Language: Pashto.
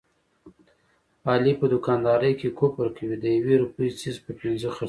علي په دوکاندارۍ کې کفر کوي، د یوې روپۍ څیز په پینځه خرڅوي.